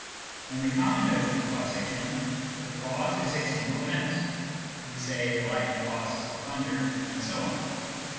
In the common notion of causation, the caiise is a single event — we say the lightning causes the thunder, and so on.